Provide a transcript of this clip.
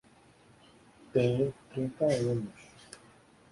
Tenho trinta anos.